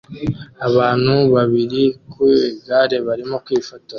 Abantu babiri ku igare barimo kwifotoza